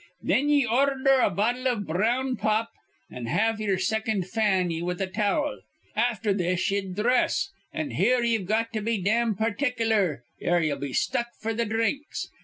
Thin ye ordher a bottle iv brown pop, an' have ye'er second fan ye with a towel. Afther this ye'd dhress, an' here ye've got to be dam particklar or ye'll be stuck f'r th' dhrinks.